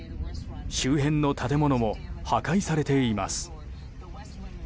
周辺の建物も破壊されています。